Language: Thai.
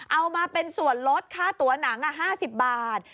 เอามาเป็นส่วนลดค่าตัวหนัง๕๐บาท